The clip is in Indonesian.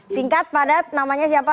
singkat padat namanya siapa